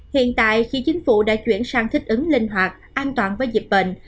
hiện tại khi chính phủ đã chuyển sang thích ứng linh hoạt an toàn với dịch bệnh